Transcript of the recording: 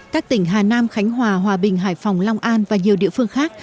các tỉnh hà nam khánh hòa hòa bình hải phòng long an và nhiều địa phương khác